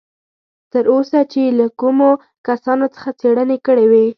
تر اوسه چې یې له کومو کسانو څخه څېړنې کړې وې.